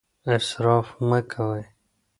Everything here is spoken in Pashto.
اسراف مه کوئ.